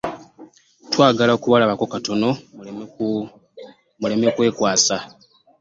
Twagala kubalabako katono muleme kwekwasa.